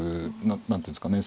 何ていうんですかね